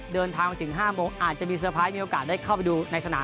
เดินทางมาถึง๕โมงอาจจะมีเตอร์ไพรส์มีโอกาสได้เข้าไปดูในสนาม